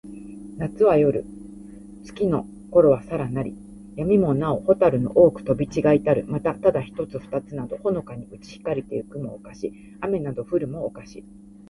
夏なつは、夜よる。月つきのころはさらなり。闇やみもなほ、蛍ほたるの多おほく飛とびちがひたる。また、ただ一ひとつ二ふたつなど、ほのかにうち光ひかりて行いくも、をかし。雨あめなど降ふるも、をかし。